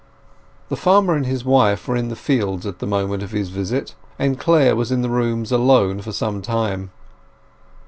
The farmer and his wife were in the field at the moment of his visit, and Clare was in the rooms alone for some time.